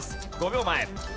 ５秒前。